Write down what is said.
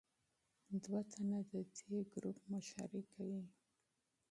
دوه تنه د دې ګروپ مشري کوي.